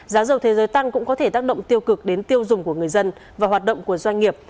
giá dầu thế giới tăng cũng có thể tác động tiêu cực đến tiêu dùng của người dân và hoạt động của doanh nghiệp